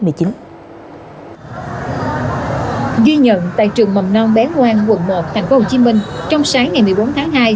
ghi nhận tại trường mầm non bé ngoan quận một tp hcm trong sáng ngày một mươi bốn tháng hai